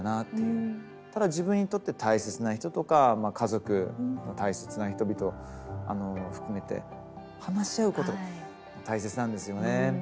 ただ自分にとって大切な人とか家族大切な人々含めて話し合うこと大切なんですよね。